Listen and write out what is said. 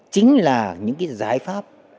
chính là những cái giải pháp